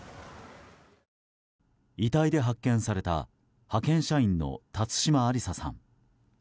遺体で発見された派遣社員の辰島ありささん。